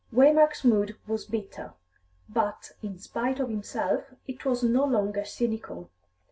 Waymark's mood was bitter, but, in spite of himself, it was no longer cynical.